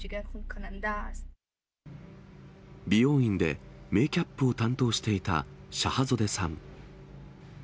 美容院でメーキャップを担当していたシャハゾデさん。